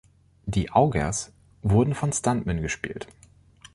Die Augers wurden von Stuntmen gespielt.